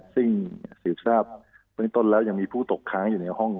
ซึ่งสืบทราบเบื้องต้นแล้วยังมีผู้ตกค้างอยู่ในห้อง